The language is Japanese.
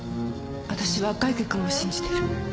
「私は赤池くんを信じてる」